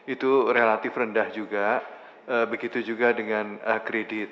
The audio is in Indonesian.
itu relatif rendah juga begitu juga dengan kredit